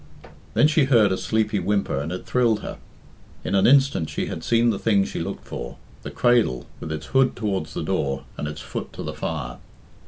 Then she heard a sleepy whimper and it thrilled her. In an instant she had seen the thing she looked for the cradle, with its hood towards the door and its foot to the fire.